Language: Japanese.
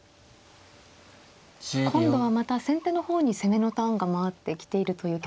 今度はまた先手の方に攻めのターンが回ってきているという局面ですか。